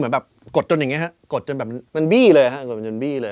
มันบีเลยครับ